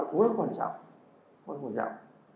họ cũng rất quan trọng